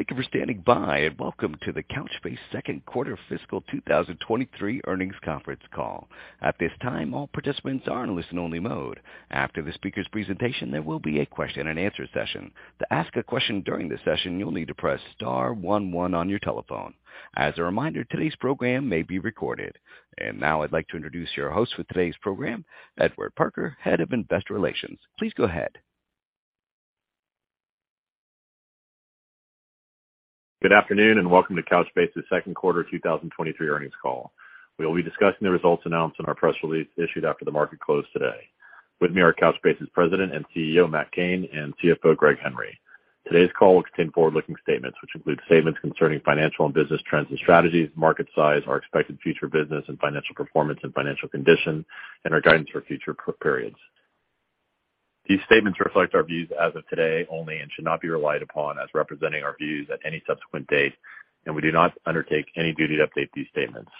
Thank you for standing by, and welcome to the Couchbase second quarter fiscal 2023 earnings conference call. At this time, all participants are in listen only mode. After the speaker's presentation, there will be a question and answer session. To ask a question during the session, you'll need to press star one one on your telephone. As a reminder, today's program may be recorded. Now I'd like to introduce your host for today's program, Edward Parker, Head of Investor Relations. Please go ahead. Good afternoon, and welcome to Couchbase's second quarter 2023 earnings call. We will be discussing the results announced in our press release issued after the market closed today. With me are Couchbase's President and CEO, Matt Cain, and CFO, Greg Henry. Today's call will contain forward-looking statements, which include statements concerning financial and business trends and strategies, market size, our expected future business and financial performance and financial condition, and our guidance for future periods. These statements reflect our views as of today only and should not be relied upon as representing our views at any subsequent date, and we do not undertake any duty to update these statements.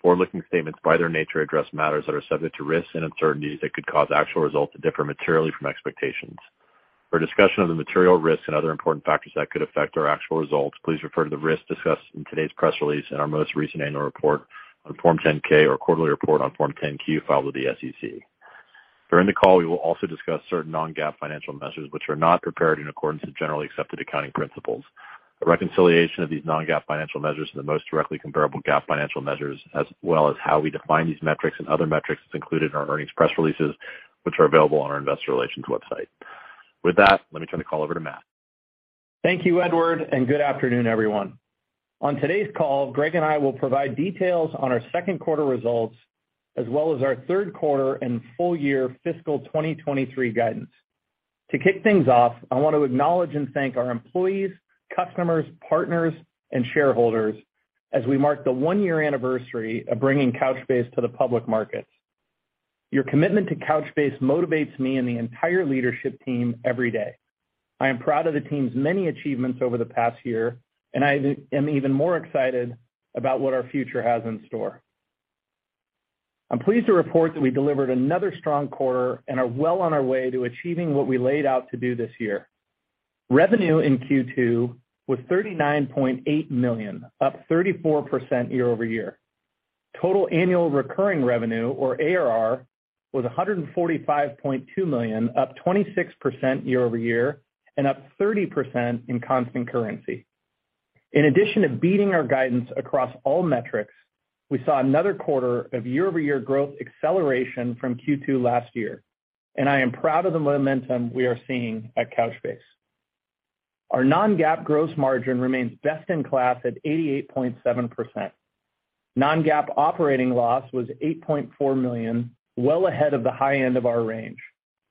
Forward-looking statements by their nature address matters that are subject to risks and uncertainties that could cause actual results to differ materially from expectations. For a discussion of the material risks and other important factors that could affect our actual results, please refer to the risks discussed in today's press release and our most recent annual report on Form 10-K or quarterly report on Form 10-Q filed with the SEC. During the call, we will also discuss certain Non-GAAP financial measures which are not prepared in accordance with generally accepted accounting principles. A reconciliation of these Non-GAAP financial measures are the most directly comparable GAAP financial measures, as well as how we define these metrics and other metrics that's included in our earnings press releases, which are available on our investor relations website. With that, let me turn the call over to Matt. Thank you, Edward, and good afternoon, everyone. On today's call, Greg and I will provide details on our second quarter results as well as our third quarter and full year fiscal 2023 guidance. To kick things off, I want to acknowledge and thank our employees, customers, partners, and shareholders as we mark the one-year anniversary of bringing Couchbase to the public market. Your commitment to Couchbase motivates me and the entire leadership team every day. I am proud of the team's many achievements over the past year, and I am even more excited about what our future has in store. I'm pleased to report that we delivered another strong quarter and are well on our way to achieving what we laid out to do this year. Revenue in Q2 was $39.8 million, up 34% year-over-year. Total annual recurring revenue or ARR was $145.2 million, up 26% year-over-year and up 30% in constant currency. In addition to beating our guidance across all metrics, we saw another quarter of year-over-year growth acceleration from Q2 last year, and I am proud of the momentum we are seeing at Couchbase. Our Non-GAAP gross margin remains best in class at 88.7%. Non-GAAP operating loss was $8.4 million, well ahead of the high end of our range,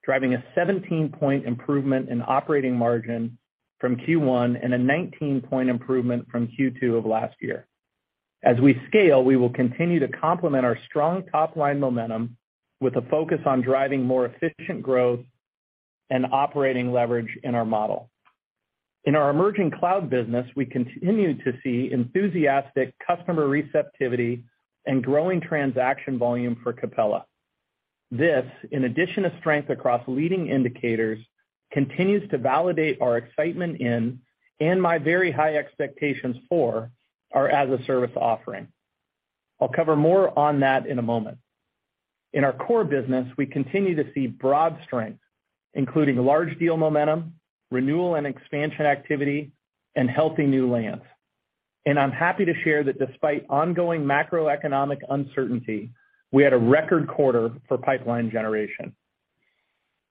driving a 17-point improvement in operating margin from Q1 and a 19-point improvement from Q2 of last year. As we scale, we will continue to complement our strong top-line momentum with a focus on driving more efficient growth and operating leverage in our model. In our emerging cloud business, we continue to see enthusiastic customer receptivity and growing transaction volume for Capella. This, in addition to strength across leading indicators, continues to validate our excitement in, and my very high expectations for, our as-a-service offering. I'll cover more on that in a moment. In our core business, we continue to see broad strength, including large deal momentum, renewal and expansion activity, and healthy new lands. I'm happy to share that despite ongoing macroeconomic uncertainty, we had a record quarter for pipeline generation.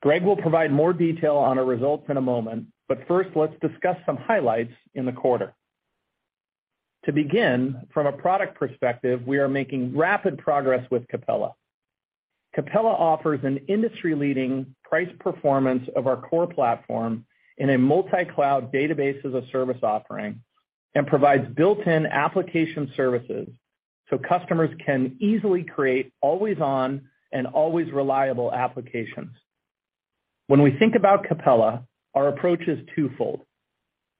Greg will provide more detail on our results in a moment, but first, let's discuss some highlights in the quarter. To begin, from a product perspective, we are making rapid progress with Capella. Capella offers an industry-leading price performance of our core platform in a multi-cloud database as a service offering and provides built-in application services so customers can easily create always on and always reliable applications. When we think about Capella, our approach is twofold,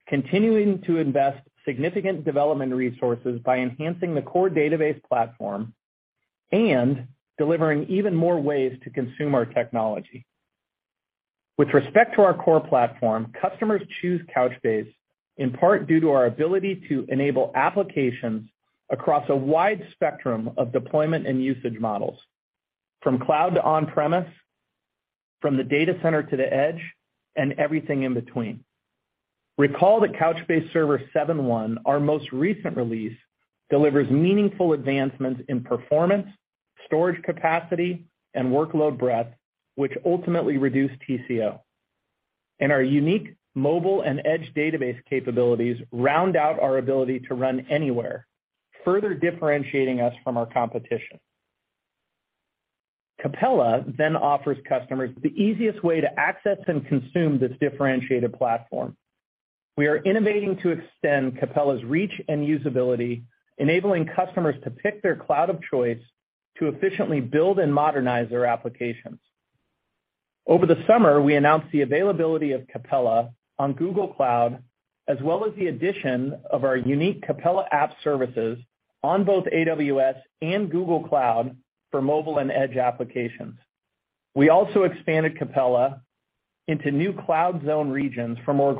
continuing to invest significant development resources by enhancing the core database platform and delivering even more ways to consume our technology. With respect to our core platform, customers choose Couchbase in part due to our ability to enable applications across a wide spectrum of deployment and usage models, from cloud to on-premise, from the data center to the edge, and everything in between. Recall that Couchbase Server 7.1, our most recent release, delivers meaningful advancements in performance, storage capacity, and workload breadth, which ultimately reduce TCO. Our unique mobile and edge database capabilities round out our ability to run anywhere, further differentiating us from our competition. Capella then offers customers the easiest way to access and consume this differentiated platform. We are innovating to extend Capella's reach and usability, enabling customers to pick their cloud of choice to efficiently build and modernize their applications. Over the summer, we announced the availability of Capella on Google Cloud, as well as the addition of our unique Capella App Services on both AWS and Google Cloud for mobile and edge applications. We also expanded Capella into new cloud zone regions for more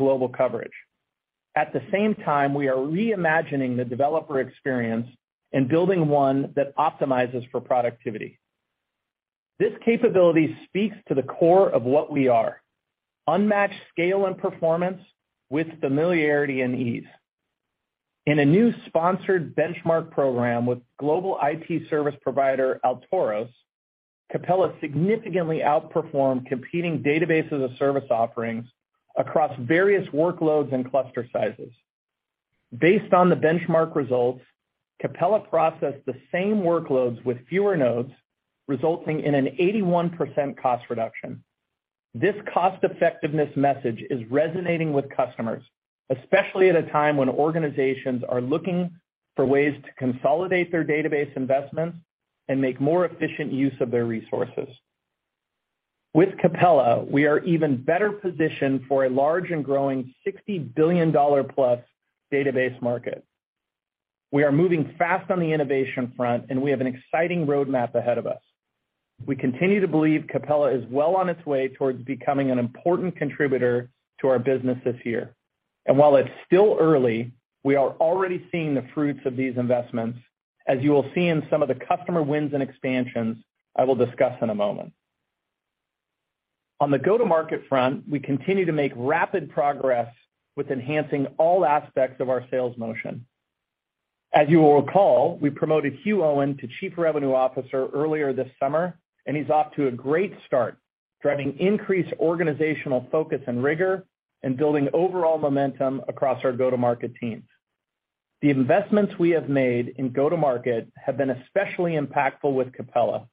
global coverage. At the same time, we are reimagining the developer experience and building one that optimizes for productivity. This capability speaks to the core of what we are, unmatched scale and performance with familiarity and ease. In a new sponsored benchmark program with global IT service provider, Altoros, Capella significantly outperformed competing Database-as-a-Service offerings across various workloads and cluster sizes. Based on the benchmark results, Capella processed the same workloads with fewer nodes, resulting in an 81% cost reduction. This cost-effectiveness message is resonating with customers, especially at a time when organizations are looking for ways to consolidate their database investments and make more efficient use of their resources. With Capella, we are even better positioned for a large and growing $60 billion-plus database market. We are moving fast on the innovation front, and we have an exciting roadmap ahead of us. We continue to believe Capella is well on its way towards becoming an important contributor to our business this year. While it's still early, we are already seeing the fruits of these investments, as you will see in some of the customer wins and expansions I will discuss in a moment. On the go-to-market front, we continue to make rapid progress with enhancing all aspects of our sales motion. As you will recall, we promoted Huw Owen to Chief Revenue Officer earlier this summer, and he's off to a great start, driving increased organizational focus and rigor and building overall momentum across our go-to-market teams. The investments we have made in go-to-market have been especially impactful with Capella,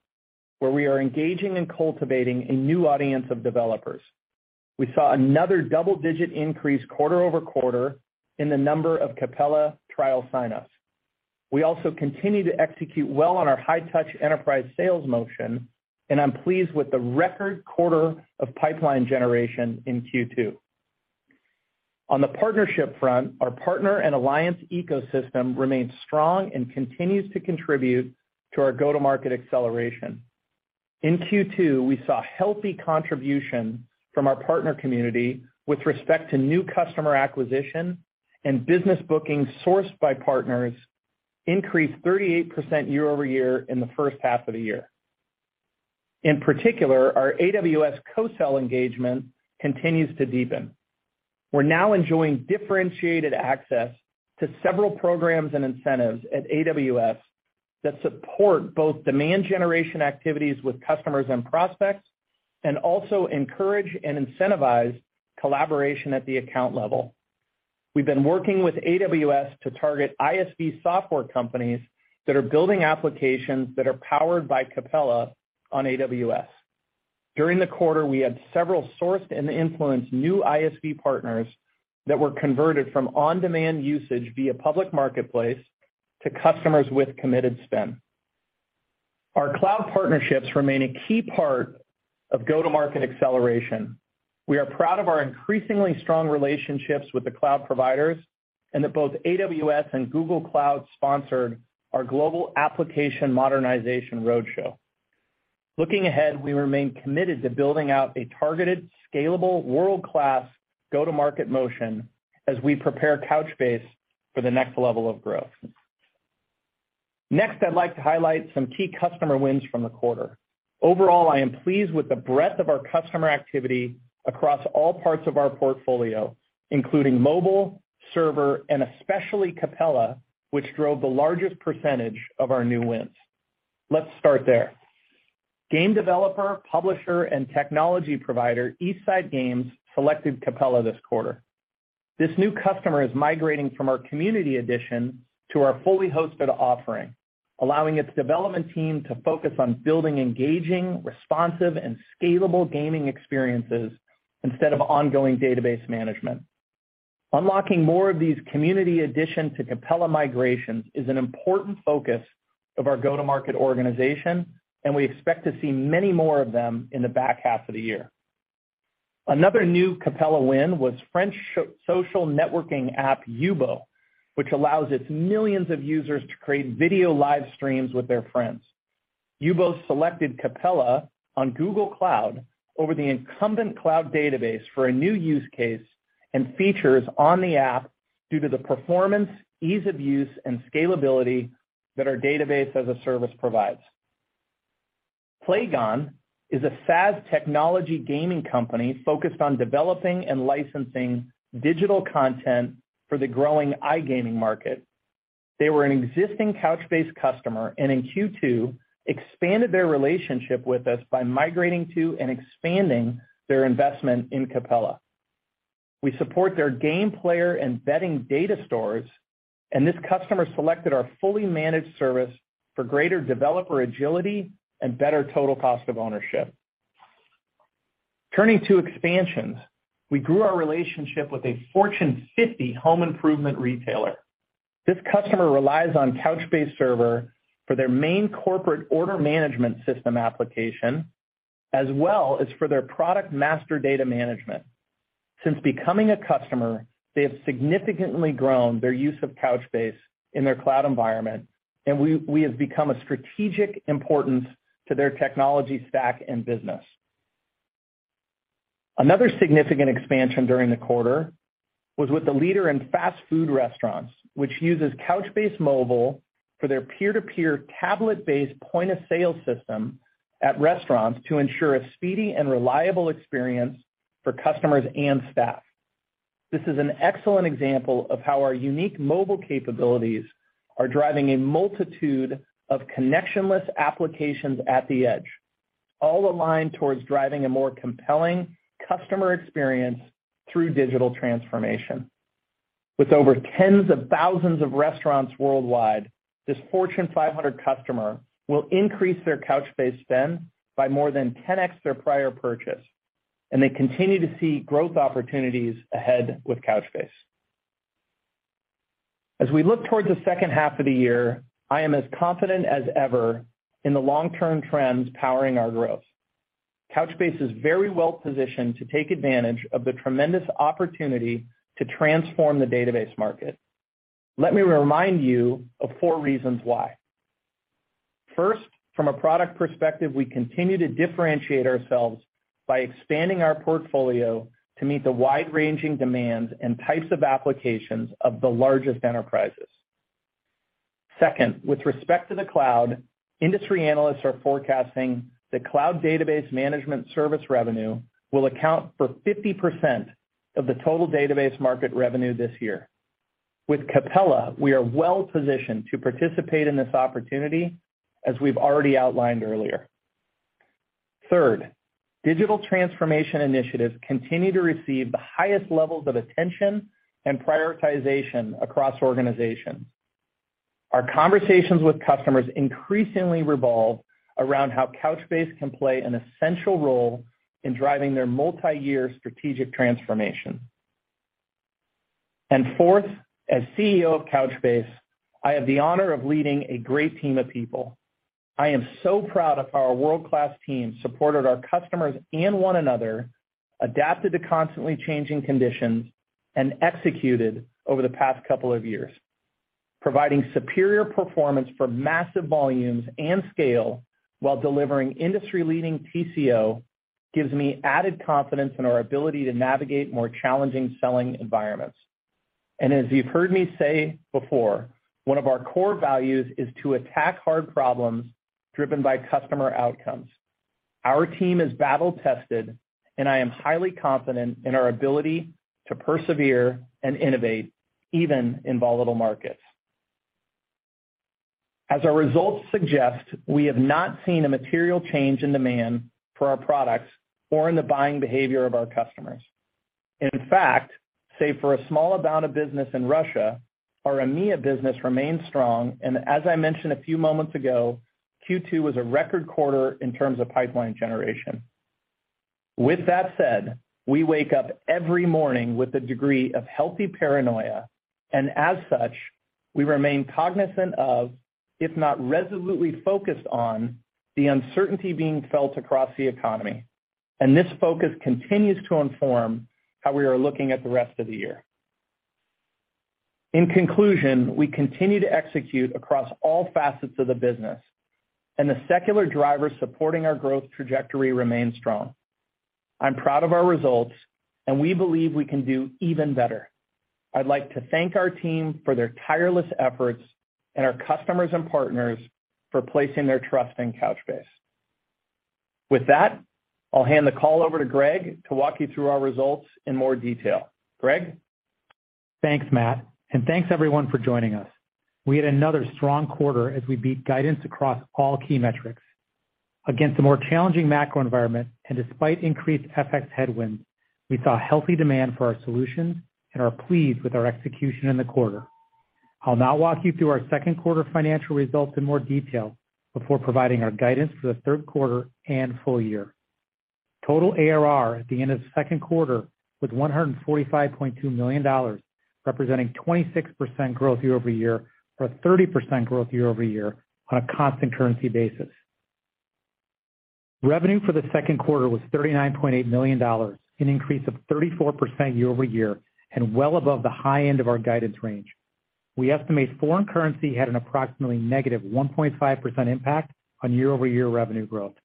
where we are engaging and cultivating a new audience of developers. We saw another double-digit increase quarter over quarter in the number of Capella trial sign-ups. We also continue to execute well on our high-touch enterprise sales motion, and I'm pleased with the record quarter of pipeline generation in Q2. On the partnership front, our partner and alliance ecosystem remains strong and continues to contribute to our go-to-market acceleration. In Q2, we saw healthy contribution from our partner community with respect to new customer acquisition, and business bookings sourced by partners increased 38% year-over-year in the first half of the year. In particular, our AWS co-sell engagement continues to deepen. We're now enjoying differentiated access to several programs and incentives at AWS that support both demand generation activities with customers and prospects and also encourage and incentivize collaboration at the account level. We've been working with AWS to target ISV software companies that are building applications that are powered by Capella on AWS. During the quarter, we had several sourced and influenced new ISV partners that were converted from on-demand usage via public marketplace to customers with committed spend. Our cloud partnerships remain a key part of go-to-market acceleration. We are proud of our increasingly strong relationships with the cloud providers and that both AWS and Google Cloud sponsored our global application modernization roadshow. Looking ahead, we remain committed to building out a targeted, scalable, world-class go-to-market motion as we prepare Couchbase for the next level of growth. Next, I'd like to highlight some key customer wins from the quarter. Overall, I am pleased with the breadth of our customer activity across all parts of our portfolio, including mobile, server, and especially Capella, which drove the largest percentage of our new wins. Let's start there. Game developer, publisher, and technology provider, East Side Games, selected Capella this quarter. This new customer is migrating from our community edition to our fully hosted offering, allowing its development team to focus on building engaging, responsive, and scalable gaming experiences instead of ongoing database management. Unlocking more of these community edition to Capella migrations is an important focus of our go-to-market organization, and we expect to see many more of them in the back half of the year. Another new Capella win was French social networking app, Yubo, which allows its millions of users to create video live streams with their friends. Yubo selected Capella on Google Cloud over the incumbent cloud database for a new use case and features on the app due to the performance, ease of use, and scalability that our Database-as-a-Service provides. Playgon Games is a SaaS technology gaming company focused on developing and licensing digital content for the growing iGaming market. They were an existing Couchbase customer, and in Q2 expanded their relationship with us by migrating to and expanding their investment in Capella. We support their game player and betting data stores, and this customer selected our fully managed service for greater developer agility and better total cost of ownership. Turning to expansions, we grew our relationship with a Fortune 50 home improvement retailer. This customer relies on Couchbase Server for their main corporate order management system application, as well as for their product master data management. Since becoming a customer, they have significantly grown their use of Couchbase in their cloud environment, and we have become a strategic importance to their technology stack and business. Another significant expansion during the quarter was with the leader in fast food restaurants, which uses Couchbase Mobile for their peer-to-peer tablet-based point-of-sale system at restaurants to ensure a speedy and reliable experience for customers and staff. This is an excellent example of how our unique mobile capabilities are driving a multitude of connectionless applications at the edge, all aligned toward driving a more compelling customer experience through digital transformation. With over tens of thousands of restaurants worldwide, this Fortune 500 customer will increase their Couchbase spend by more than 10x their prior purchase, and they continue to see growth opportunities ahead with Couchbase. As we look toward the second half of the year, I am as confident as ever in the long-term trends powering our growth. Couchbase is very well positioned to take advantage of the tremendous opportunity to transform the database market. Let me remind you of four reasons why. First, from a product perspective, we continue to differentiate ourselves by expanding our portfolio to meet the wide-ranging demands and types of applications of the largest enterprises. Second, with respect to the cloud, industry analysts are forecasting that cloud database management service revenue will account for 50% of the total database market revenue this year. With Capella, we are well positioned to participate in this opportunity, as we've already outlined earlier. Third, digital transformation initiatives continue to receive the highest levels of attention and prioritization across organizations. Our conversations with customers increasingly revolve around how Couchbase can play an essential role in driving their multi-year strategic transformation. Fourth, as CEO of Couchbase, I have the honor of leading a great team of people. I am so proud of how our world-class team supported our customers and one another, adapted to constantly changing conditions, and executed over the past couple of years. Providing superior performance for massive volumes and scale while delivering industry-leading TCO gives me added confidence in our ability to navigate more challenging selling environments. As you've heard me say before, one of our core values is to attack hard problems driven by customer outcomes. Our team is battle-tested, and I am highly confident in our ability to persevere and innovate even in volatile markets. As our results suggest, we have not seen a material change in demand for our products or in the buying behavior of our customers. In fact, save for a small amount of business in Russia, our EMEA business remains strong. As I mentioned a few moments ago, Q2 was a record quarter in terms of pipeline generation. With that said, we wake up every morning with a degree of healthy paranoia, and as such, we remain cognizant of, if not resolutely focused on, the uncertainty being felt across the economy. This focus continues to inform how we are looking at the rest of the year. In conclusion, we continue to execute across all facets of the business, and the secular drivers supporting our growth trajectory remain strong. I'm proud of our results, and we believe we can do even better. I'd like to thank our team for their tireless efforts and our customers and partners for placing their trust in Couchbase. With that, I'll hand the call over to Greg to walk you through our results in more detail. Greg? Thanks, Matt, and thanks everyone for joining us. We had another strong quarter as we beat guidance across all key metrics. Against a more challenging macro environment and despite increased FX headwinds, we saw healthy demand for our solutions and are pleased with our execution in the quarter. I'll now walk you through our second quarter financial results in more detail before providing our guidance for the third quarter and full year. Total ARR at the end of the second quarter was $145.2 million, representing 26% growth year-over-year, or 30% growth year-over-year on a constant currency basis. Revenue for the second quarter was $39.8 million, an increase of 34% year-over-year and well above the high end of our guidance range. We estimate foreign currency had an approximately -1.5 impact on year-over-year revenue growth.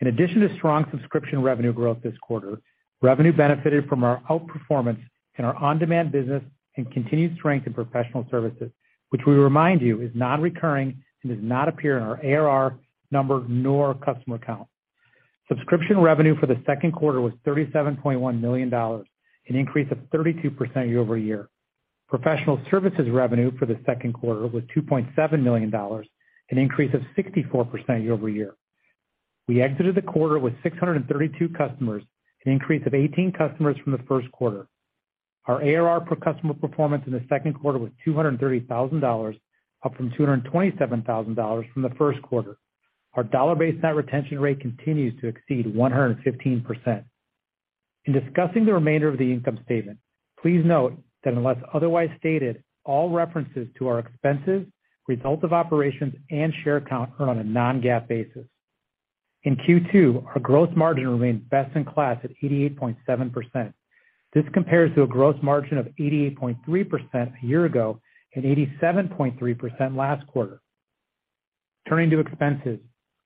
In addition to strong subscription revenue growth this quarter, revenue benefited from our outperformance in our on-demand business and continued strength in professional services, which we remind you is non-recurring and does not appear in our ARR number nor customer count. Subscription revenue for the second quarter was $37.1 million, an increase of 32% year-over-year. Professional services revenue for the second quarter was $2.7 million, an increase of 64% year-over-year. We exited the quarter with 632 customers, an increase of 18 customers from the first quarter. Our ARR per customer performance in the second quarter was $230 thousand, up from $227 thousand from the first quarter. Our dollar-based net retention rate continues to exceed 115%. In discussing the remainder of the income statement, please note that unless otherwise stated, all references to our expenses, results of operations, and share count are on a Non-GAAP basis. In Q2, our growth margin remained best in class at 88.7%. This compares to a growth margin of 88.3% a year ago and 87.3% last quarter. Turning to expenses,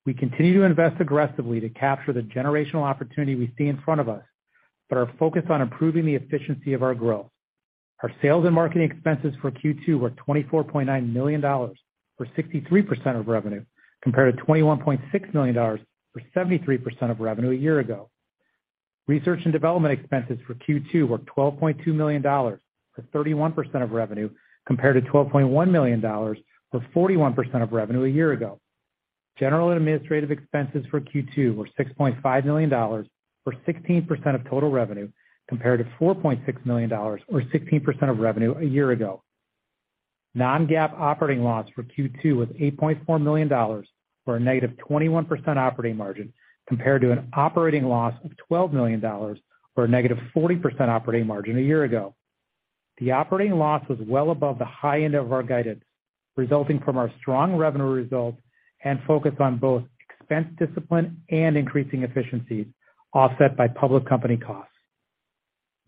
we continue to invest aggressively to capture the generational opportunity we see in front of us, but are focused on improving the efficiency of our growth. Our sales and marketing expenses for Q2 were $24.9 million, or 63% of revenue, compared to $21.6 million, or 73% of revenue a year ago. Research and development expenses for Q2 were $12.2 million, or 31% of revenue, compared to $12.1 million, or 41% of revenue a year ago. General and administrative expenses for Q2 were $6.5 million, or 16% of total revenue, compared to $4.6 million, or 16% of revenue a year ago. Non-GAAP operating loss for Q2 was $8.4 million, or a -21% operating margin, compared to an operating loss of $12 million, or a -40% operating margin a year ago. The operating loss was well above the high end of our guidance, resulting from our strong revenue results and focus on both expense discipline and increasing efficiencies, offset by public company costs.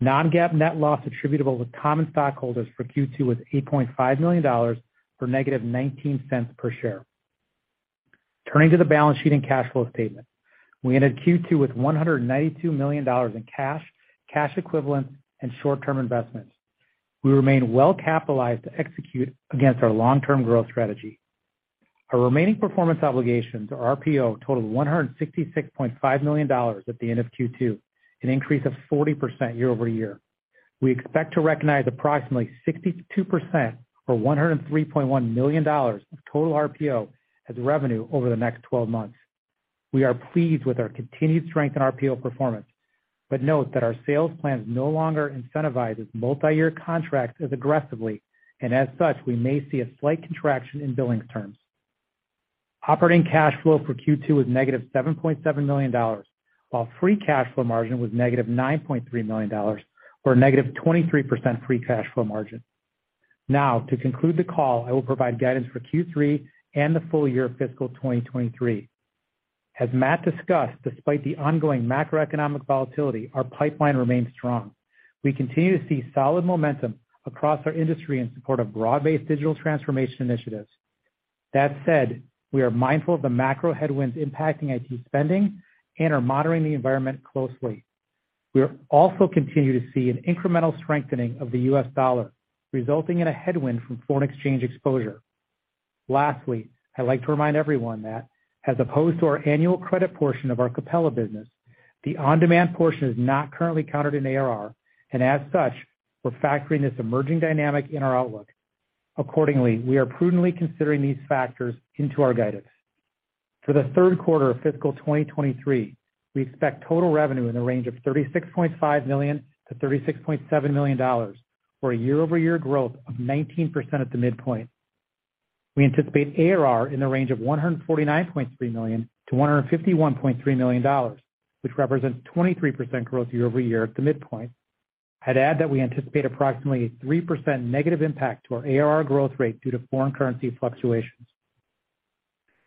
Non-GAAP net loss attributable to common stockholders for Q2 was $8.5 million, or -$0.19 per share. Turning to the balance sheet and cash flow statement. We ended Q2 with $192 million in cash equivalents and short-term investments. We remain well capitalized to execute against our long-term growth strategy. Our remaining performance obligations, or RPO, totaled $166.5 million at the end of Q2, an increase of 40% year-over-year. We expect to recognize approximately 62%, or $103.1 million of total RPO as revenue over the next 12 months. We are pleased with our continued strength in RPO performance, but note that our sales plan is no longer incentivized as multi-year contracts as aggressively, and as such, we may see a slight contraction in billing terms. Operating cash flow for Q2 was -$7.7 million, while free cash flow margin was -$9.3 million, or a negative 23% free cash flow margin. Now, to conclude the call, I will provide guidance for Q3 and the full year of fiscal 2023. As Matt discussed, despite the ongoing macroeconomic volatility, our pipeline remains strong. We continue to see solid momentum across our industry in support of broad-based digital transformation initiatives. That said, we are mindful of the macro headwinds impacting IT spending and are monitoring the environment closely. We also continue to see an incremental strengthening of the US dollar, resulting in a headwind from foreign exchange exposure. Lastly, I'd like to remind everyone that as opposed to our annual credit portion of our Capella business, the on-demand portion is not currently counted in ARR, and as such, we're factoring this emerging dynamic in our outlook. Accordingly, we are prudently considering these factors into our guidance. For the third quarter of fiscal 2023, we expect total revenue in the range of $36.5 million-$36.7 million, or a year-over-year growth of 19% at the midpoint. We anticipate ARR in the range of $149.3 million-$151.3 million, which represents 23% growth year over year at the midpoint. I'd add that we anticipate approximately a 3% negative impact to our ARR growth rate due to foreign currency fluctuations.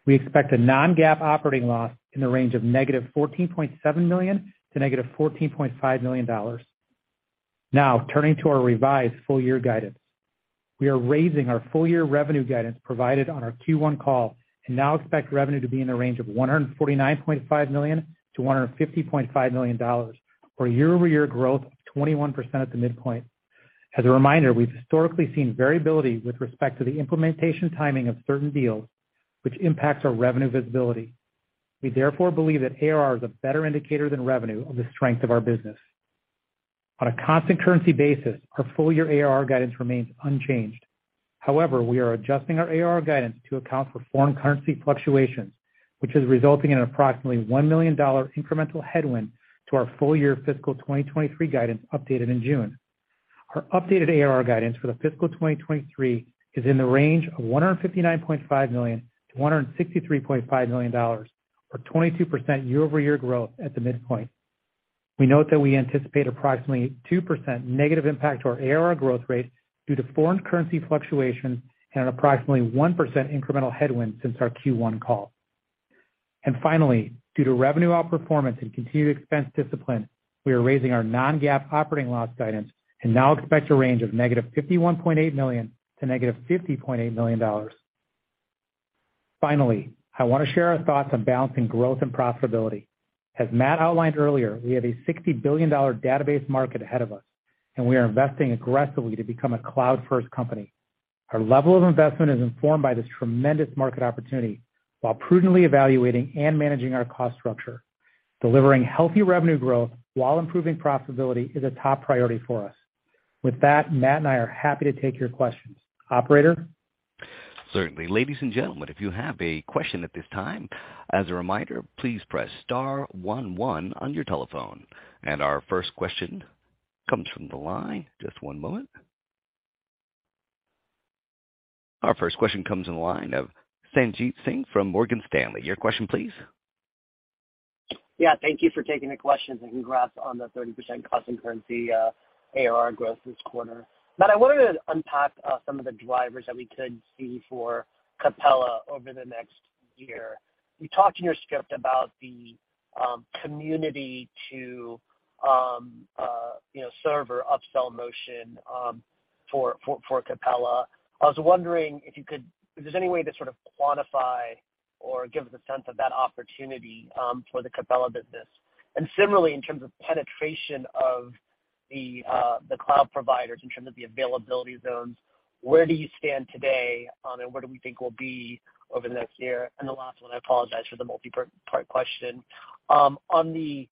We expect a Non-GAAP operating loss in the range of -$14.7 million to -$14.5 million. Now, turning to our revised full year guidance. We are raising our full year revenue guidance provided on our Q1 call and now expect revenue to be in the range of $149.5 million-$150.5 million, or a year-over-year growth of 21% at the midpoint. As a reminder, we've historically seen variability with respect to the implementation timing of certain deals, which impacts our revenue visibility. We therefore believe that ARR is a better indicator than revenue of the strength of our business. On a constant currency basis, our full year ARR guidance remains unchanged. However, we are adjusting our ARR guidance to account for foreign currency fluctuations, which is resulting in approximately $1 million incremental headwind to our full year fiscal 2023 guidance updated in June. Our updated ARR guidance for the fiscal 2023 is in the range of $159.5 million-$163.5 million, or 22% year-over-year growth at the midpoint. We note that we anticipate approximately 2% negative impact to our ARR growth rate due to foreign currency fluctuations and an approximately 1% incremental headwind since our Q1 call. Finally, due to revenue outperformance and continued expense discipline, we are raising our Non-GAAP operating loss guidance and now expect a range of -$51.8 million to -$50.8 million. Finally, I want to share our thoughts on balancing growth and profitability. As Matt outlined earlier, we have a $60 billion database market ahead of us, and we are investing aggressively to become a cloud-first company. Our level of investment is informed by this tremendous market opportunity while prudently evaluating and managing our cost structure. Delivering healthy revenue growth while improving profitability is a top priority for us. With that, Matt and I are happy to take your questions. Operator? Certainly. Ladies and gentlemen, if you have a question at this time, as a reminder, please press star one one on your telephone. Our first question comes from the line of Sanjit Singh from Morgan Stanley. Your question, please. Yeah, thank you for taking the questions and congrats on the 30% constant currency ARR growth this quarter. I wanted to unpack some of the drivers that we could see for Capella over the next year. You talked in your script about the community to you know server upsell motion for Capella. Is there any way to sort of quantify or give us a sense of that opportunity for the Capella business? Similarly, in terms of penetration of the cloud providers, in terms of the availability zones, where do you stand today, and where do we think we'll be over the next year? The last one, I apologize for the multi-part question. On the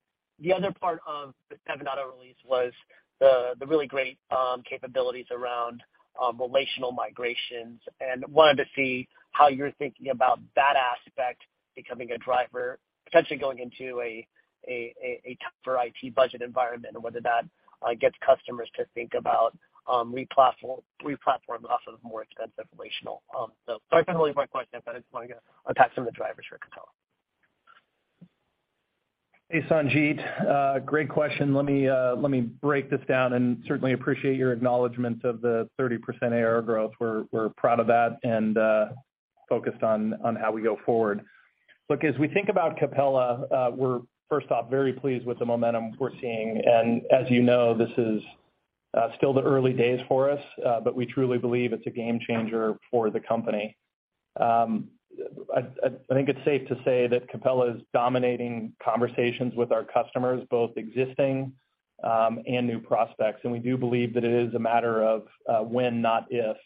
other part of the 7.1 release was the really great capabilities around relational migrations, and wanted to see how you're thinking about that aspect becoming a driver, potentially going into a tougher IT budget environment and whether that gets customers to think about replatforming off of more expensive relational. Sorry for all these hard questions, but I just wanna unpack some of the drivers for Capella. Hey, Sanjit, great question. Let me break this down and certainly appreciate your acknowledgment of the 30% ARR growth. We're proud of that and focused on how we go forward. Look, as we think about Capella, we're first off very pleased with the momentum we're seeing. As you know, this is still the early days for us, but we truly believe it's a game changer for the company. I think it's safe to say that Capella is dominating conversations with our customers, both existing and new prospects. We do believe that it is a matter of when, not if,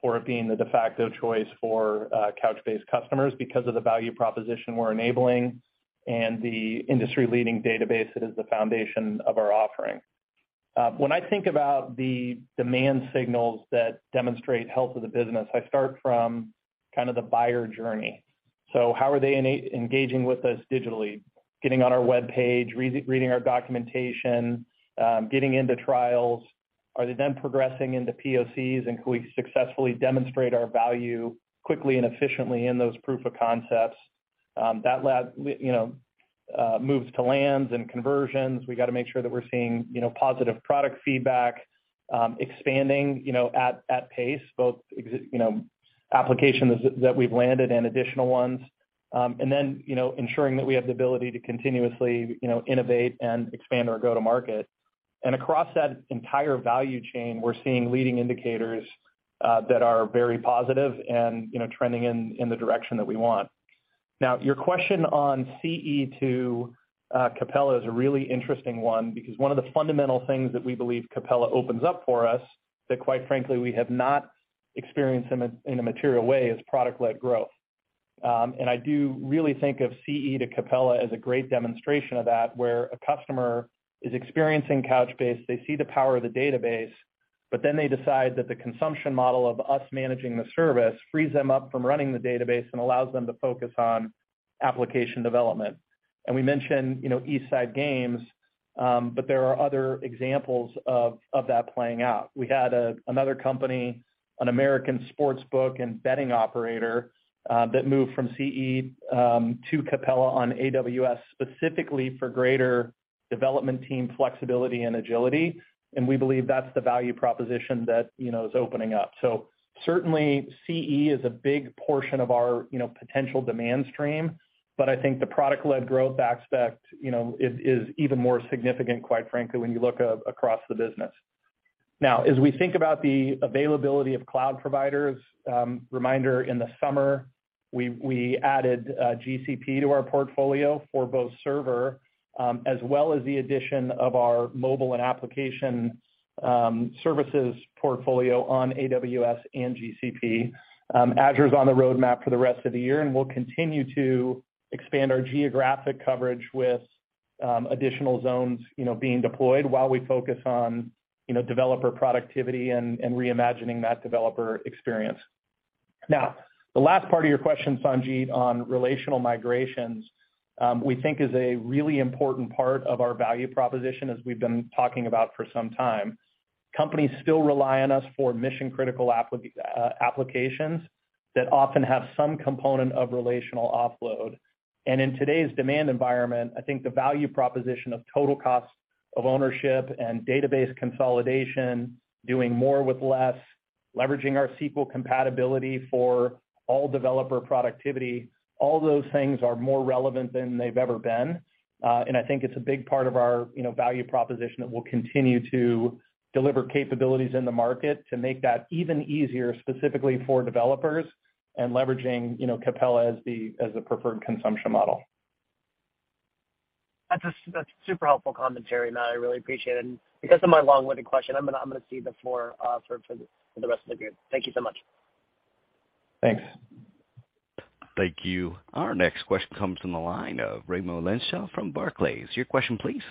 for it being the de facto choice for Couchbase customers because of the value proposition we're enabling and the industry-leading database that is the foundation of our offering. When I think about the demand signals that demonstrate health of the business, I start from kind of the buyer journey. How are they engaging with us digitally, getting on our webpage, reading our documentation, getting into trials? Are they then progressing into POCs, and can we successfully demonstrate our value quickly and efficiently in those proof of concepts? That leads to lands and conversions. We gotta make sure that we're seeing, you know, positive product feedback, expanding, you know, at pace, both existing applications that we've landed and additional ones. Ensuring that we have the ability to continuously, you know, innovate and expand our go-to-market. Across that entire value chain, we're seeing leading indicators that are very positive and, you know, trending in the direction that we want. Now, your question on CE to Capella is a really interesting one because one of the fundamental things that we believe Capella opens up for us, that quite frankly we have not experienced in a material way, is product-led growth. I do really think of CE to Capella as a great demonstration of that, where a customer is experiencing Couchbase, they see the power of the database, but then they decide that the consumption model of us managing the service frees them up from running the database and allows them to focus on application development. We mentioned, you know, East Side Games, but there are other examples of that playing out. We had another company, an American sports book and betting operator, that moved from CE to Capella on AWS specifically for greater development team flexibility and agility. We believe that's the value proposition that, you know, is opening up. Certainly CE is a big portion of our, you know, potential demand stream, but I think the product-led growth aspect, you know, is even more significant, quite frankly, when you look across the business. Now as we think about the availability of cloud providers, reminder, in the summer, we added GCP to our portfolio for both server, as well as the addition of our mobile and application services portfolio on AWS and GCP. Azure's on the roadmap for the rest of the year, and we'll continue to expand our geographic coverage with additional zones, you know, being deployed while we focus on, you know, developer productivity and reimagining that developer experience. Now the last part of your question, Sanjit, on relational migrations, we think is a really important part of our value proposition, as we've been talking about for some time. Companies still rely on us for mission-critical applications that often have some component of relational offload. In today's demand environment, I think the value proposition of total cost of ownership and database consolidation, doing more with less, leveraging our SQL compatibility for all developer productivity, all those things are more relevant than they've ever been. I think it's a big part of our, you know, value proposition that we'll continue to deliver capabilities in the market to make that even easier, specifically for developers and leveraging, you know, Capella as the, as the preferred consumption model. That's super helpful commentary, Matt. I really appreciate it. Because of my long-winded question, I'm gonna cede the floor for the rest of the group. Thank you so much. Thanks. Thank you. Our next question comes from the line of Raimo Lenschow from Barclays. Your question please.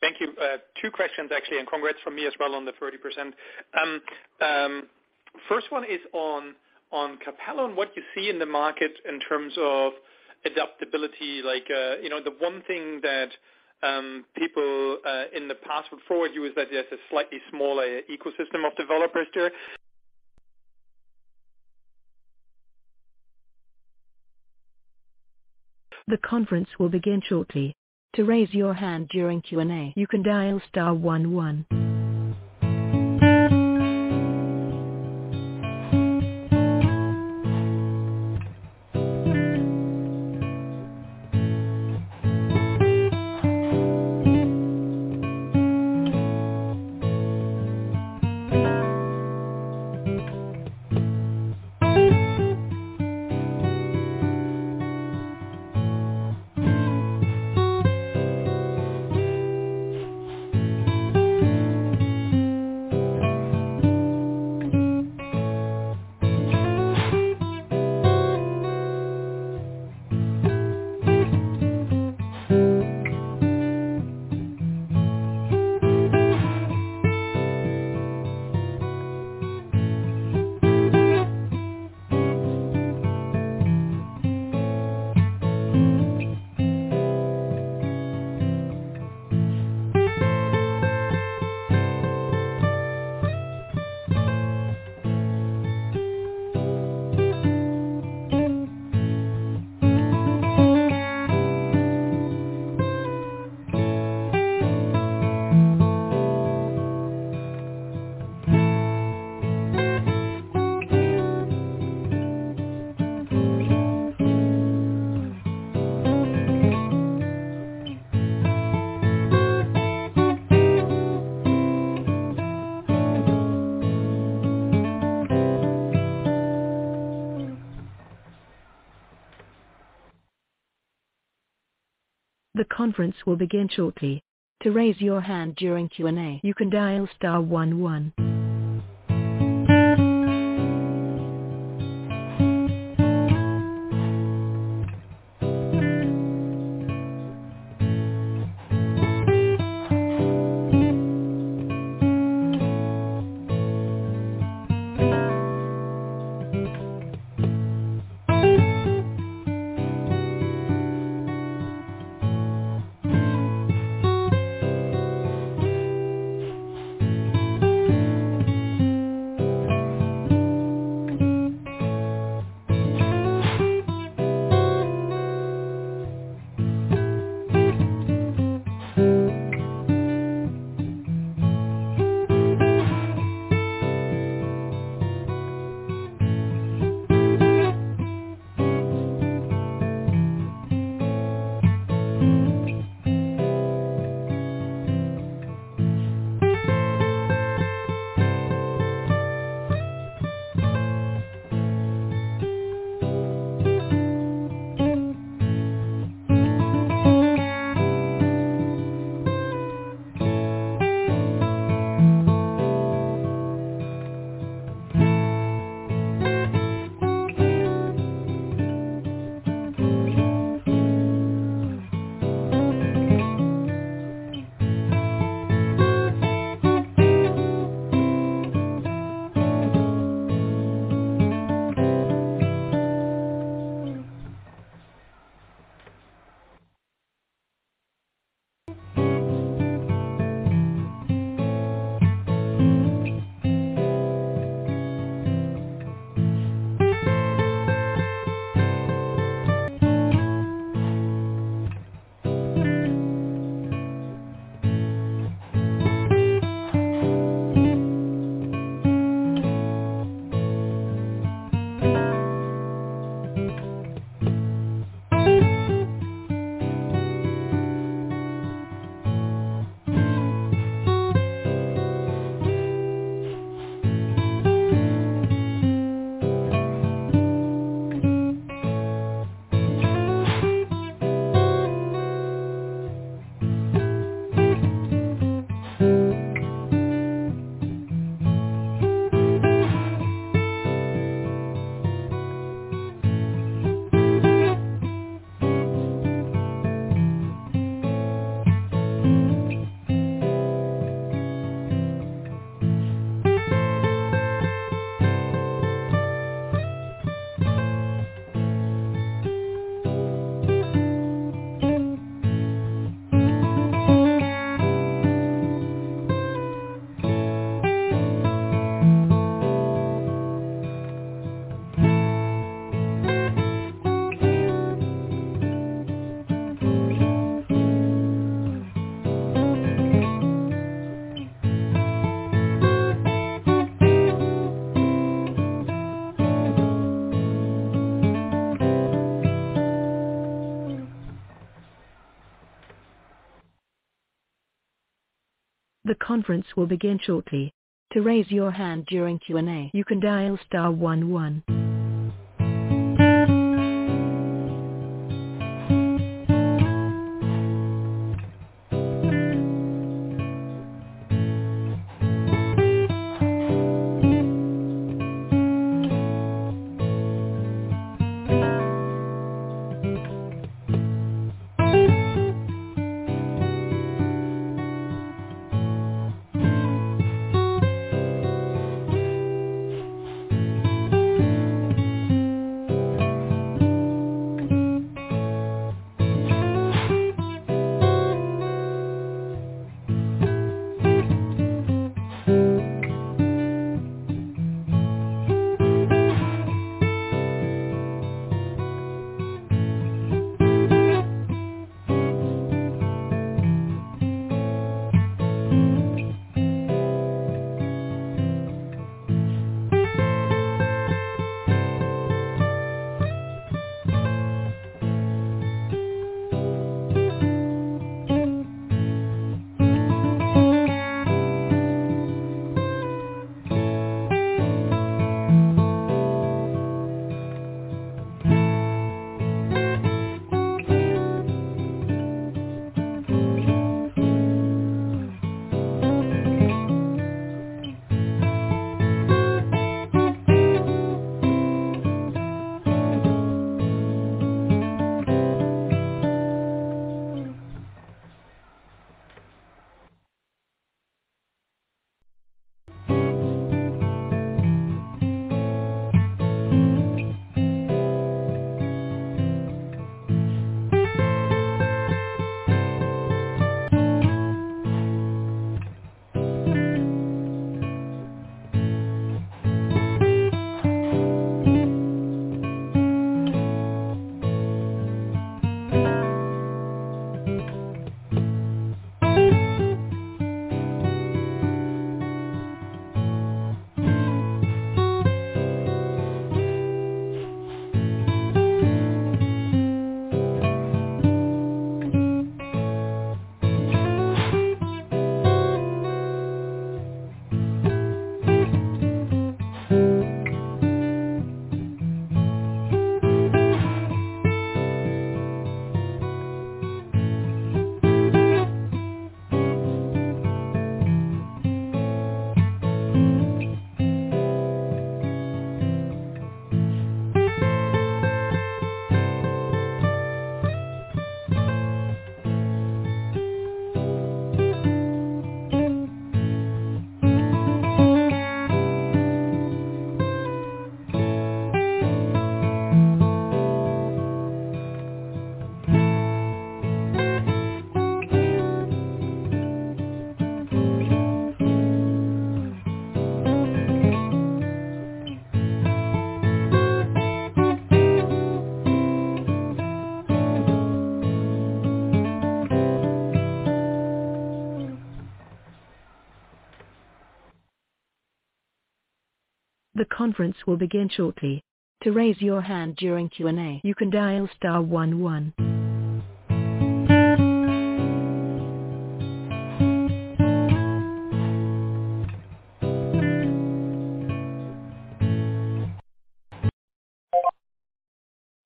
Thank you. Two questions actually, and congrats from me as well on the 30%. First one is on Capella and what you see in the market in terms of adaptability. Like, you know, the one thing that people in the past would forward you is that there's a slightly smaller ecosystem of developers there?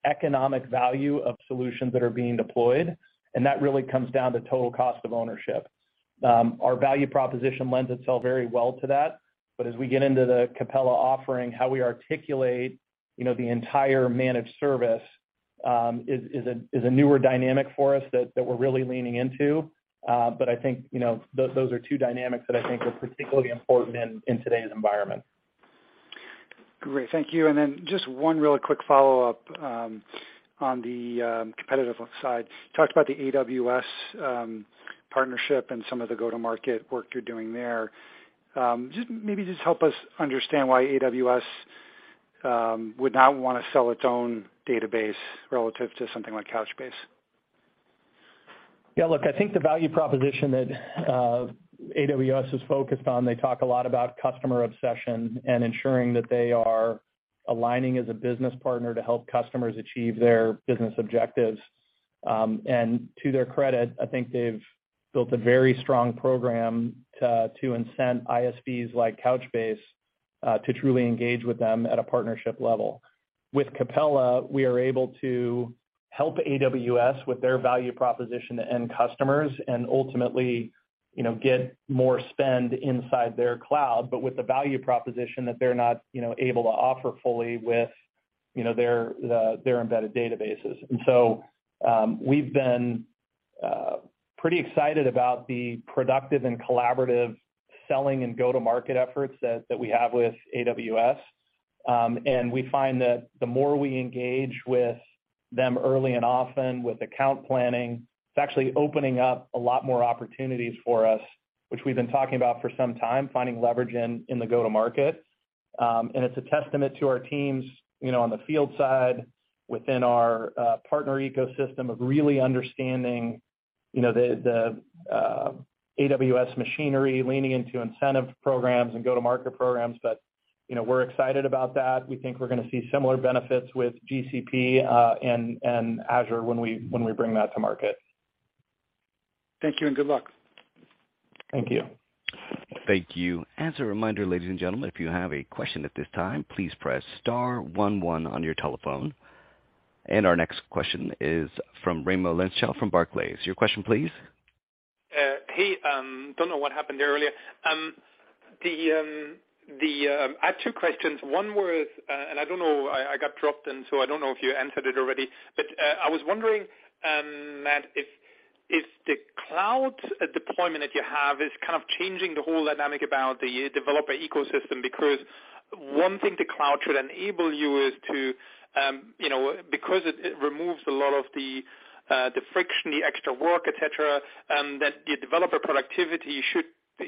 Economic value of solutions that are being deployed, and that really comes down to total cost of ownership. Our value proposition lends itself very well to that. As we get into the Capella offering, how we articulate, you know, the entire managed service is a newer dynamic for us that we're really leaning into. I think, you know, those are two dynamics that I think are particularly important in today's environment. Great. Thank you. Just one really quick follow-up on the competitive side. Talked about the AWS partnership and some of the go-to-market work you're doing there. Just maybe just help us understand why AWS would not wanna sell its own database relative to something like Couchbase. Yeah. Look, I think the value proposition that AWS is focused on, they talk a lot about customer obsession and ensuring that they are aligning as a business partner to help customers achieve their business objectives. To their credit, I think they've built a very strong program to incent ISVs like Couchbase to truly engage with them at a partnership level. With Capella, we are able to help AWS with their value proposition to end customers and ultimately, you know, get more spend inside their cloud, but with the value proposition that they're not, you know, able to offer fully with their embedded databases. We've been pretty excited about the productive and collaborative selling and go-to-market efforts that we have with AWS. We find that the more we engage with them early and often with account planning, it's actually opening up a lot more opportunities for us, which we've been talking about for some time, finding leverage in the go-to-market. It's a testament to our teams, you know, on the field side within our partner ecosystem of really understanding, you know, the AWS machinery leaning into incentive programs and go-to-market programs. You know, we're excited about that. We think we're gonna see similar benefits with GCP and Azure when we bring that to market. Thank you, and good luck. Thank you. Thank you. As a reminder, ladies and gentlemen, if you have a question at this time, please press star one one on your telephone. Our next question is from Raimo Lenschow from Barclays. Your question please. Hey. Don't know what happened there earlier. I had two questions. One was. I don't know, I got dropped, so I don't know if you answered it already. I was wondering, Matt, if the cloud deployment that you have is kind of changing the whole dynamic about the developer ecosystem, because one thing the cloud should enable you is to, you know, because it removes a lot of the friction, the extra work, et cetera, that the developer productivity should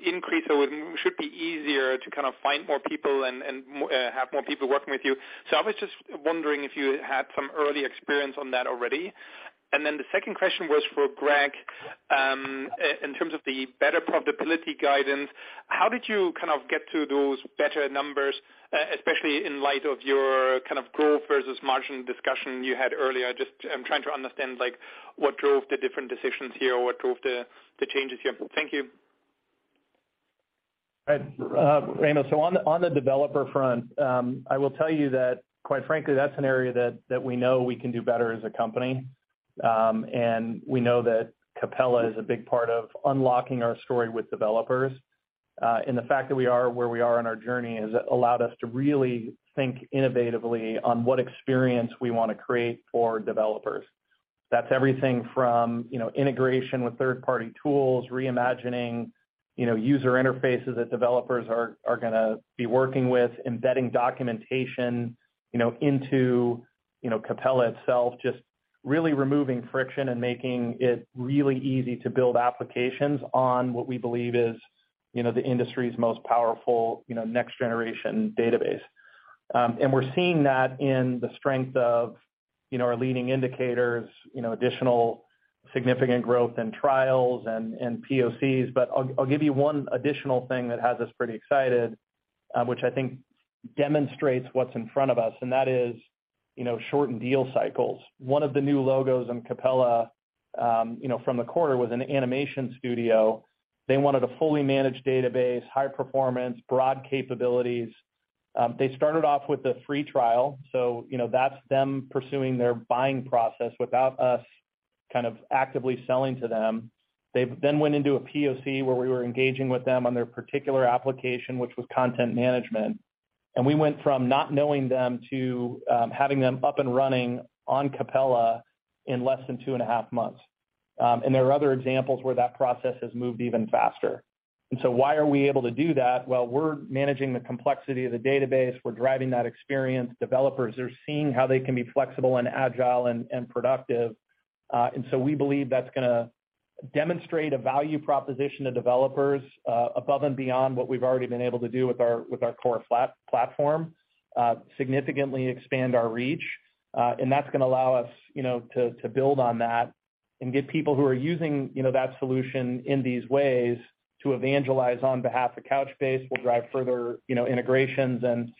increase or should be easier to kind of find more people and more people working with you. I was just wondering if you had some early experience on that already. Then the second question was for Greg. In terms of the better profitability guidance, how did you kind of get to those better numbers, especially in light of your kind of growth versus margin discussion you had earlier? Just, I'm trying to understand, like, what drove the different decisions here, or what drove the changes here. Thank you. Right. Raimo, on the developer front, I will tell you that quite frankly, that's an area that we know we can do better as a company. We know that Capella is a big part of unlocking our story with developers. The fact that we are where we are on our journey has allowed us to really think innovatively on what experience we wanna create for developers. That's everything from, you know, integration with third-party tools, reimagining, you know, user interfaces that developers are gonna be working with, embedding documentation, you know, into Capella itself, just really removing friction and making it really easy to build applications on what we believe is, you know, the industry's most powerful, you know, next generation database. We're seeing that in the strength of, you know, our leading indicators, you know, additional significant growth in trials and POCs. I'll give you one additional thing that has us pretty excited, which I think demonstrates what's in front of us, and that is, you know, shortened deal cycles. One of the new logos in Capella, you know, from the quarter was an animation studio. They wanted a fully managed database, high performance, broad capabilities. They started off with a free trial, so, you know, that's them pursuing their buying process without us kind of actively selling to them. They then went into a POC where we were engaging with them on their particular application, which was content management. We went from not knowing them to having them up and running on Capella in less than two and a half months. There are other examples where that process has moved even faster. Why are we able to do that? Well, we're managing the complexity of the database. We're driving that experience. Developers are seeing how they can be flexible and agile and productive. We believe that's gonna demonstrate a value proposition to developers above and beyond what we've already been able to do with our core platform, significantly expand our reach. That's gonna allow us, you know, to build on that and get people who are using, you know, that solution in these ways to evangelize on behalf of Couchbase, will drive further, you know, integrations and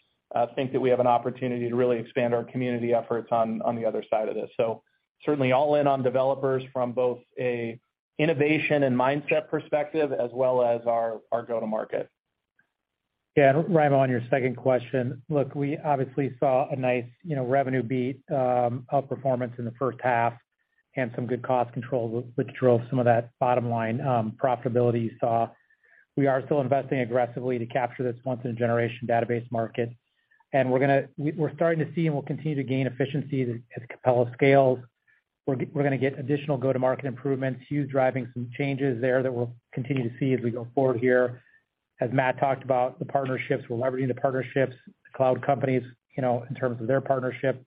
think that we have an opportunity to really expand our community efforts on the other side of this. Certainly all in on developers from both a innovation and mindset perspective as well as our go-to-market. Yeah. Raimo, on your second question, look, we obviously saw a nice, you know, revenue beat, outperformance in the first half and some good cost control which drove some of that bottom line, profitability you saw. We are still investing aggressively to capture this once in a generation database market. We're starting to see and we'll continue to gain efficiency as Capella scales. We're gonna get additional go-to-market improvements, Huw driving some changes there that we'll continue to see as we go forward here. As Matt talked about, the partnerships, we're leveraging the partnerships, cloud companies, you know, in terms of their partnership,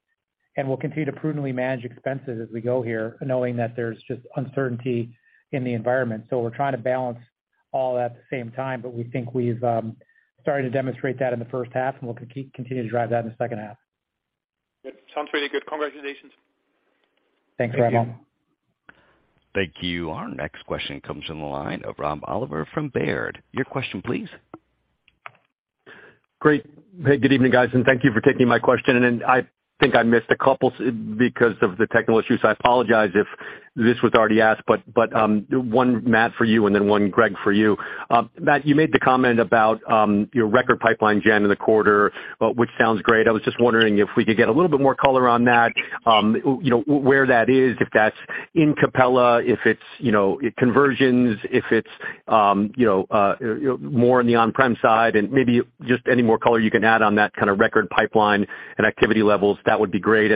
and we'll continue to prudently manage expenses as we go here, knowing that there's just uncertainty in the environment. We're trying to balance all that at the same time, but we think we've started to demonstrate that in the first half, and we'll continue to drive that in the second half. Good. Sounds really good. Congratulations. Thanks, Raimo. Thank you. Thank you. Our next question comes from the line of Rob Oliver from Baird. Your question please. Great. Hey, good evening, guys, and thank you for taking my question. I think I missed a couple because of the technical issues. I apologize if this was already asked, but one, Matt, for you, and then one, Greg, for you. Matt, you made the comment about your record pipeline generation in the quarter, which sounds great. I was just wondering if we could get a little bit more color on that, you know, where that is, if that's in Capella, if it's, you know, conversions, if it's, you know, more in the on-prem side, and maybe just any more color you can add on that kind of record pipeline and activity levels, that would be great.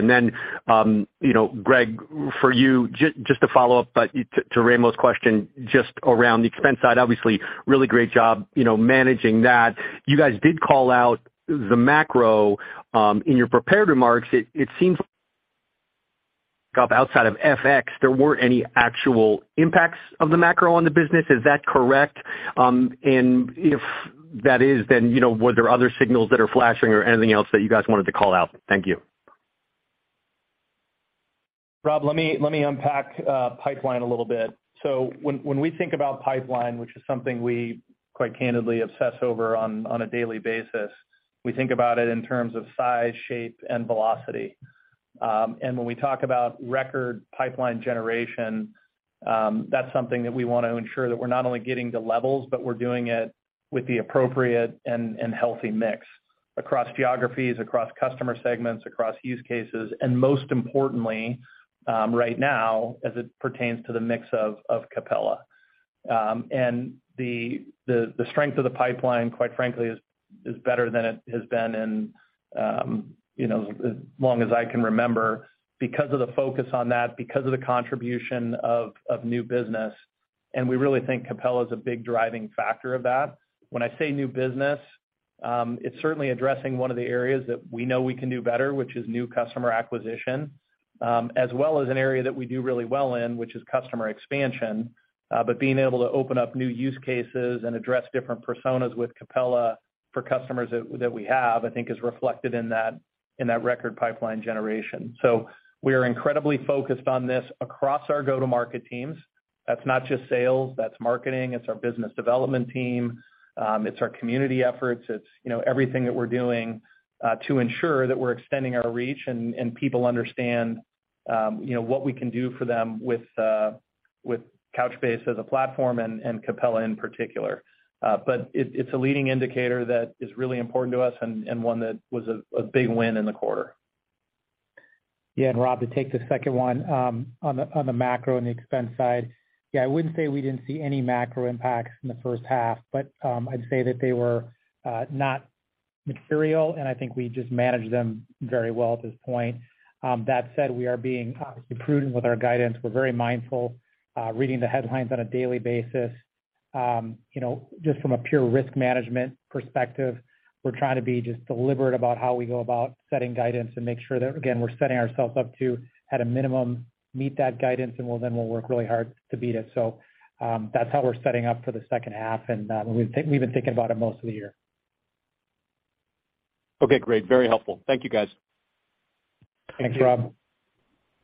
You know, Greg, for you, just to follow up, to Raimo's question, just around the expense side, obviously really great job, you know, managing that. You guys did call out the macro in your prepared remarks. It seems like outside of FX, there weren't any actual impacts of the macro on the business. Is that correct? If that is, then, you know, were there other signals that are flashing or anything else that you guys wanted to call out? Thank you. Rob, let me unpack pipeline a little bit. When we think about pipeline, which is something we quite candidly obsess over on a daily basis, we think about it in terms of size, shape, and velocity. When we talk about record pipeline generation, that's something that we wanna ensure that we're not only getting the levels, but we're doing it with the appropriate and healthy mix across geographies, across customer segments, across use cases, and most importantly, right now as it pertains to the mix of Capella. The strength of the pipeline, quite frankly, is better than it has been in, you know, as long as I can remember, because of the focus on that, because of the contribution of new business, and we really think Capella is a big driving factor of that. When I say new business, it's certainly addressing one of the areas that we know we can do better, which is new customer acquisition, as well as an area that we do really well in, which is customer expansion. But being able to open up new use cases and address different personas with Capella for customers that we have, I think is reflected in that record pipeline generation. We are incredibly focused on this across our go-to-market teams. That's not just sales, that's marketing. It's our business development team. It's our community efforts. It's, you know, everything that we're doing to ensure that we're extending our reach and people understand, you know, what we can do for them with Couchbase as a platform and Capella in particular. But it's a leading indicator that is really important to us and one that was a big win in the quarter. Yeah. Rob, to take the second one, on the macro and the expense side. Yeah, I wouldn't say we didn't see any macro impacts in the first half, but, I'd say that they were not material, and I think we just managed them very well at this point. That said, we are being obviously prudent with our guidance. We're very mindful, reading the headlines on a daily basis. You know, just from a pure risk management perspective, we're trying to be just deliberate about how we go about setting guidance and make sure that, again, we're setting ourselves up to, at a minimum, meet that guidance and then we'll work really hard to beat it. That's how we're setting up for the second half. We've been thinking about it most of the year. Okay, great. Very helpful. Thank you, guys. Thanks, Rob.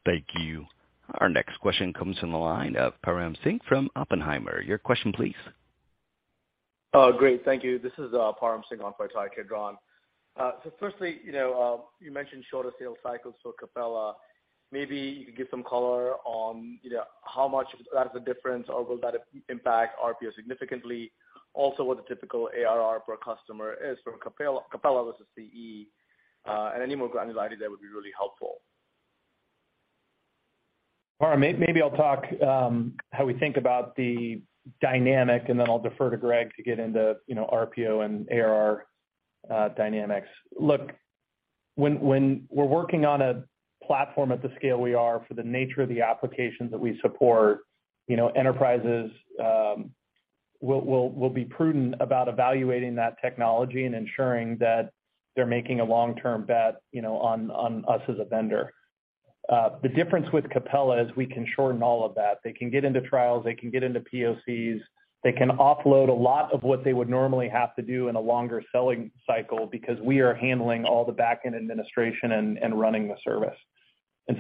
Thank you. Our next question comes from the line of Param Singh from Oppenheimer. Your question, please. Oh, great. Thank you. This is, Param Singh on for Ittai Kidron. Firstly, you know, you mentioned shorter sales cycles for Capella. Maybe you could give some color on, you know, how much that's a difference or will that impact RPO significantly? Also, what the typical ARR per customer is for Capella versus CE, and any more granularity there would be really helpful. Param, maybe I'll talk how we think about the dynamic, and then I'll defer to Greg to get into, you know, RPO and ARR dynamics. Look, when we're working on a platform at the scale we are for the nature of the applications that we support, you know, enterprises will be prudent about evaluating that technology and ensuring that they're making a long-term bet, you know, on us as a vendor. The difference with Capella is we can shorten all of that. They can get into trials, they can get into POCs, they can offload a lot of what they would normally have to do in a longer selling cycle because we are handling all the back-end administration and running the service.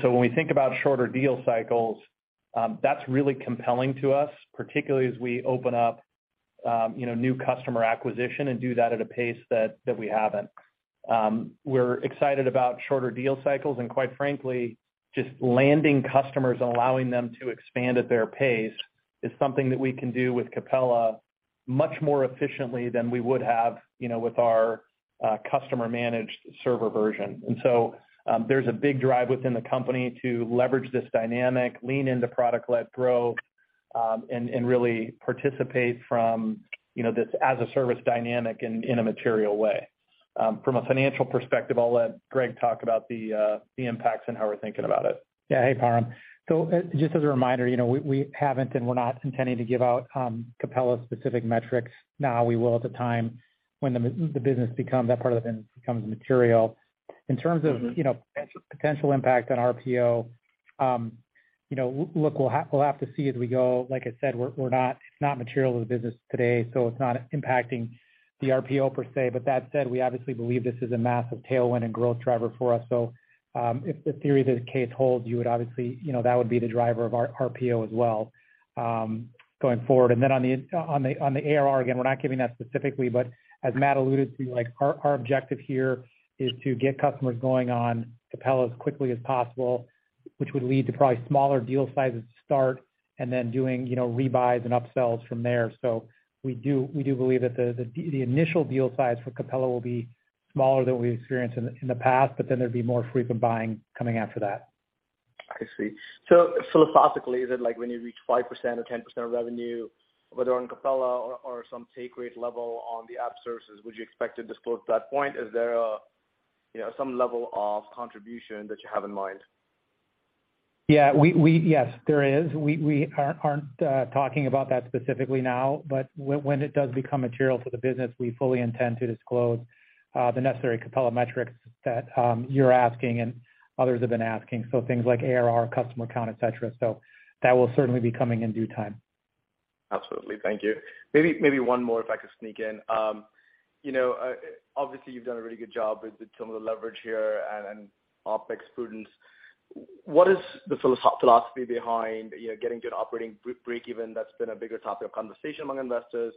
When we think about shorter deal cycles, that's really compelling to us, particularly as we open up, you know, new customer acquisition and do that at a pace that we haven't. We're excited about shorter deal cycles and quite frankly, just landing customers and allowing them to expand at their pace is something that we can do with Capella much more efficiently than we would have, you know, with our customer managed server version. There's a big drive within the company to leverage this dynamic, lean into product-led growth, and really participate from, you know, this as a service dynamic in a material way. From a financial perspective, I'll let Greg talk about the impacts and how we're thinking about it. Yeah. Hey, Param. Just as a reminder, we haven't and we're not intending to give out Capella specific metrics now. We will at the time when that part of the business becomes material. In terms of potential impact on RPO, look, we'll have to see as we go. Like I said, it's not material to the business today, so it's not impacting the RPO per se. That said, we obviously believe this is a massive tailwind and growth driver for us. If the theory of the case holds, you would obviously that would be the driver of our RPO as well going forward. On the ARR, again, we're not giving that specifically, but as Matt alluded to, like, our objective here is to get customers going on Capella as quickly as possible, which would lead to probably smaller deal sizes to start and then doing, you know, rebuys and upsells from there. We do believe that the initial deal size for Capella will be smaller than we've experienced in the past, but then there'd be more frequent buying coming after that. I see. Philosophically, is it like when you reach 5% or 10% of revenue, whether on Capella or some take rate level on the App Services, would you expect to disclose that point? Is there a, you know, some level of contribution that you have in mind? Yeah. Yes, there is. We aren't talking about that specifically now, but when it does become material to the business, we fully intend to disclose the necessary Capella metrics that you're asking and others have been asking. Things like ARR, customer count, et cetera. That will certainly be coming in due time. Absolutely. Thank you. Maybe one more if I could sneak in. You know, obviously you've done a really good job with some of the leverage here and OpEx prudence. What is the philosophy behind, you know, getting to an operating break even? That's been a bigger topic of conversation among investors.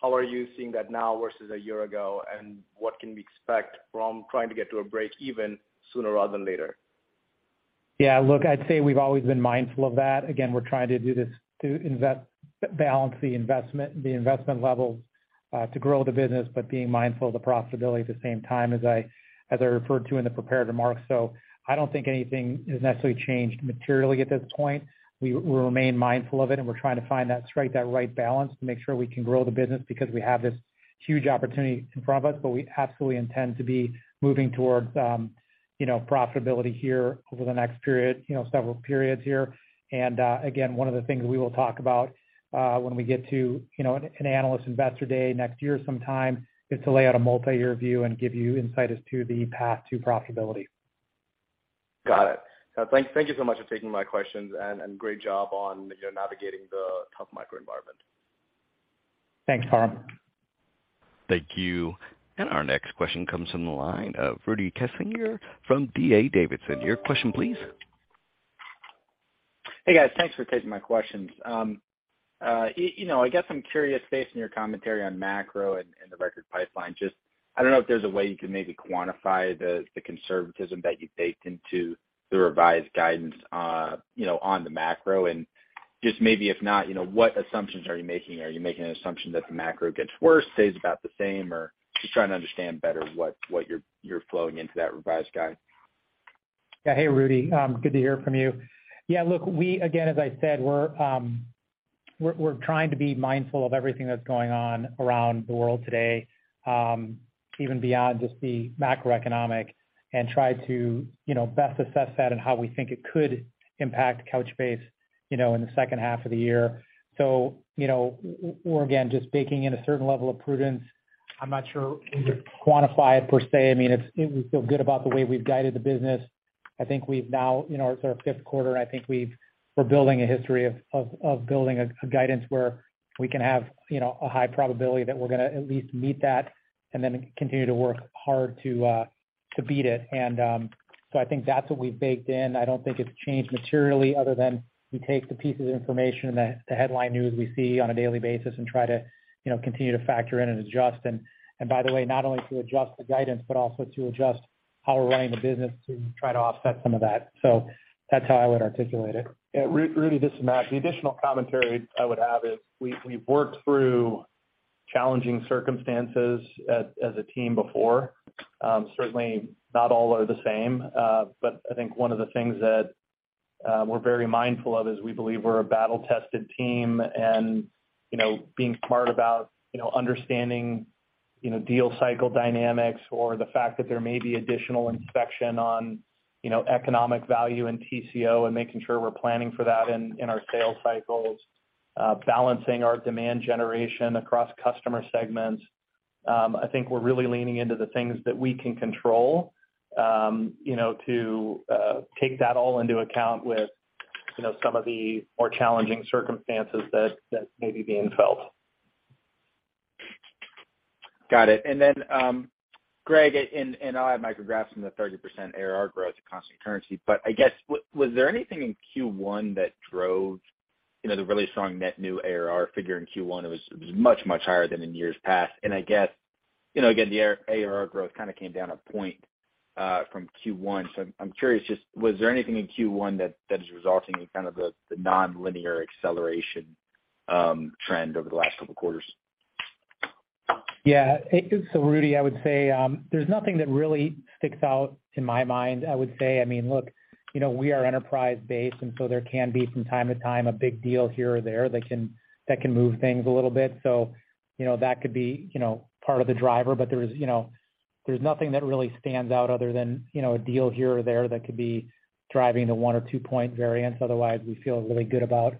How are you seeing that now versus a year ago? What can we expect from trying to get to a break even sooner rather than later? Yeah. Look, I'd say we've always been mindful of that. Again, we're trying to balance the investment level to grow the business, but being mindful of the profitability at the same time as I referred to in the prepared remarks. I don't think anything has necessarily changed materially at this point. We remain mindful of it, and we're trying to strike that right balance to make sure we can grow the business because we have this huge opportunity in front of us, but we absolutely intend to be moving towards, you know, profitability here over the next period, you know, several periods here. Again, one of the things we will talk about, when we get to, you know, an analyst investor day next year sometime, is to lay out a multi-year view and give you insight as to the path to profitability. Got it. Thank you so much for taking my questions, and great job on, you know, navigating the tough macroenvironment. Thanks, Param. Thank you. Our next question comes from the line of Rudy Kessinger from D.A. Davidson. Your question please. Hey, guys. Thanks for taking my questions. You know, I guess I'm curious, based on your commentary on macro and the record pipeline, just I don't know if there's a way you can maybe quantify the conservatism that you baked into the revised guidance, you know, on the macro. Just maybe if not, you know, what assumptions are you making? Are you making an assumption that the macro gets worse, stays about the same? Or just trying to understand better what you're folding into that revised guide. Yeah. Hey, Rudy. Good to hear from you. Yeah, look, we again, as I said, we're trying to be mindful of everything that's going on around the world today, even beyond just the macroeconomic and try to, you know, best assess that and how we think it could impact Couchbase, you know, in the second half of the year. You know, we're again just baking in a certain level of prudence. I'm not sure we could quantify it per se. I mean, it's we feel good about the way we've guided the business. I think we've now, you know, it's our fifth quarter, and I think we're building a history of building a guidance where we can have, you know, a high probability that we're gonna at least meet that and then continue to work hard to beat it. I think that's what we baked in. I don't think it's changed materially other than we take the pieces of information, the headline news we see on a daily basis and try to, you know, continue to factor in and adjust. By the way, not only to adjust the guidance but also to adjust how we're running the business to try to offset some of that. That's how I would articulate it. Yeah, Rudy, this is Matt. The additional commentary I would add is we've worked through challenging circumstances as a team before. Certainly not all are the same. I think one of the things that we're very mindful of is we believe we're a battle-tested team and, you know, being smart about, you know, understanding, you know, deal cycle dynamics or the fact that there may be additional inspection on, you know, economic value in TCO and making sure we're planning for that in our sales cycles, balancing our demand generation across customer segments. I think we're really leaning into the things that we can control, you know, to take that all into account with, you know, some of the more challenging circumstances that may be being felt. Got it. Greg, and I'll add Micrograph from the 30% ARR growth at constant currency, but I guess was there anything in Q1 that drove, you know, the really strong net new ARR figure in Q1? It was much higher than in years past. I guess, you know, again, the ARR growth kind of came down a point from Q1. I'm curious, just was there anything in Q1 that is resulting in kind of the nonlinear acceleration trend over the last couple quarters? Yeah. Rudy, I would say, there's nothing that really sticks out in my mind, I would say. I mean, look, you know, we are enterprise-based, and so there can be from time to time a big deal here or there that can move things a little bit. You know, that could be, you know, part of the driver. There's, you know, nothing that really stands out other than, you know, a deal here or there that could be driving the one or two point variance. Otherwise, we feel really good about,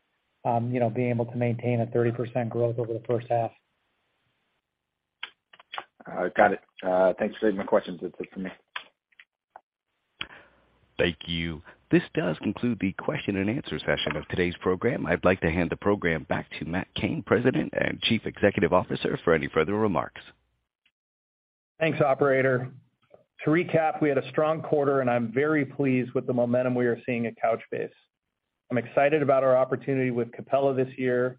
you know, being able to maintain a 30% growth over the first half. Got it. Thanks. That's my questions. That's it for me. Thank you. This does conclude the question and answer session of today's program. I'd like to hand the program back to Matt Cain, President and Chief Executive Officer, for any further remarks. Thanks, operator. To recap, we had a strong quarter, and I'm very pleased with the momentum we are seeing at Couchbase. I'm excited about our opportunity with Capella this year,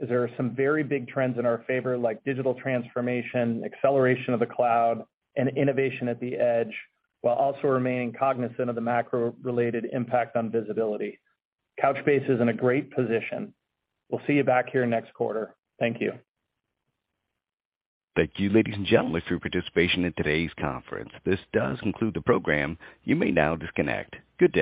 as there are some very big trends in our favor, like digital transformation, acceleration of the cloud, and innovation at the edge, while also remaining cognizant of the macro-related impact on visibility. Couchbase is in a great position. We'll see you back here next quarter. Thank you. Thank you, ladies and gentlemen, for your participation in today's conference. This does conclude the program. You may now disconnect. Good day.